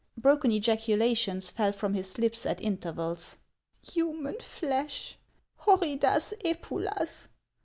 Broken ejaculations fell from his lips at intervals : "Human flesh! Horridas cpulas!